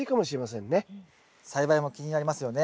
栽培も気になりますよね。